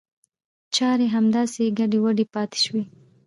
چاري همداسې ګډې وډې پاته شوې.